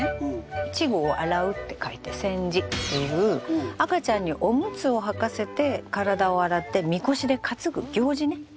稚児を洗うって書いて洗児っていう赤ちゃんにおむつをはかせて体を洗ってみこしで担ぐ行事ね。